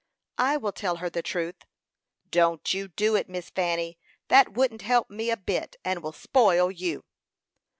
"I will tell her the truth." "Don't you do it, Miss Fanny. That wouldn't help me a bit, and will spoil you."